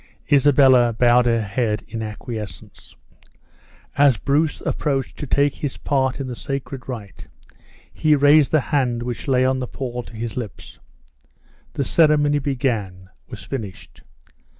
Isabella bowed her head in acquiescence. As Bruce approached to take his part in the sacred rite, he raised the hand which lay on the pall to his lips. The ceremony began was finished!